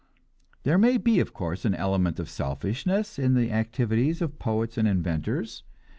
There may be, of course, an element of selfishness in the activities of poets and inventors.